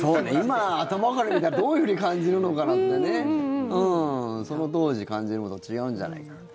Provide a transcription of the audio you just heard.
今、頭から見たらどういうふうに感じるのかなってその当時と感じることと違うんじゃないかと。